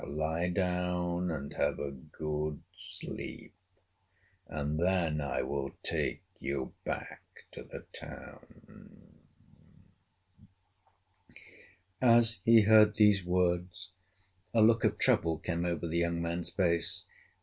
Lie down and have a good sleep, and then I will take you back to the town." As he heard these words, a look of trouble came over the young man's face.